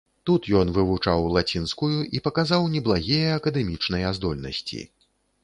Тут ён вывучаў лацінскую і паказаў неблагія акадэмічныя здольнасці.